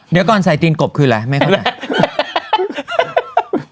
เดี๋ยวก่อนใส่ตีนกบคืออะไรไม่เข้าใจ